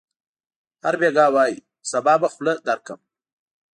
هر بېګا وايي: صبا به خوله درکړم.